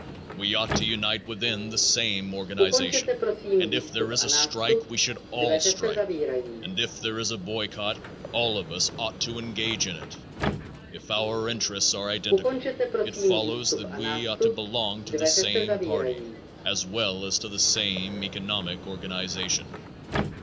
We ought to unite within the same organization, and if there is a strike we should all strike, and if there is a boycott all of us ought to engage in it. If our interests are identical, it follows that we ought to belong to the same party as well as to the same economic organization.